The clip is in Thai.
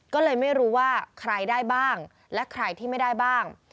ก็เลยไม่รู้ว่าใครได้บ้างและใครที่ไม่ได้บ้าง